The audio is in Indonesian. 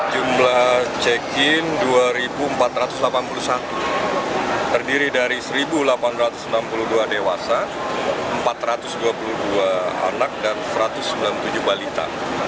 jumlah check in dua empat ratus delapan puluh satu terdiri dari satu delapan ratus enam puluh dua dewasa empat ratus dua puluh dua anak dan satu ratus sembilan puluh tujuh balita